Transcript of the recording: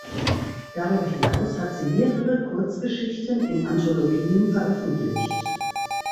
Darüber hinaus hat sie mehrere Kurzgeschichten in Anthologien veröffentlicht.